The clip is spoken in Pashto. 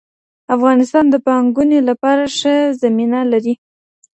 افغانستان د پانګونې لپاره ښه زمینه لري.